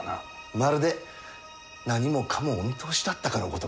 まるで何もかもお見通しだったかのごとくですなあ。